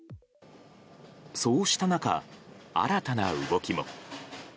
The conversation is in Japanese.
そうした中、新たな動きも。